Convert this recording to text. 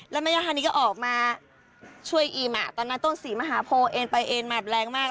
แล้วแม่ย่าธานีก็ออกมาช่วยอิ่มตอนนั้นต้นศรีมหาโพเอ็นไปเอ็นมาแบบแรงมาก